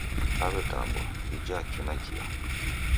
Daw'etambwa, dijha kihi nakio?